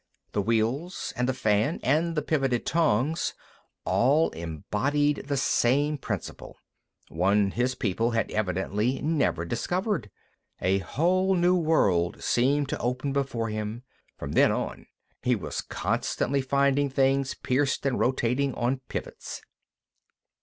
The wheels, and the fan, and the pivoted tongs, all embodied the same principle, one his people had evidently never discovered. A whole new world seemed to open before him; from then on, he was constantly finding things pierced and rotating on pivots.